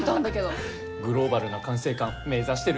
グローバルな管制官目指してるんで！